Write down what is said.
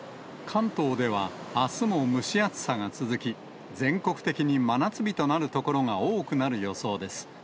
関東では、あすも蒸し暑さが続き、全国的に真夏日となる所が多くなる予想です。